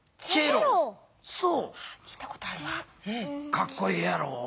かっこええやろ？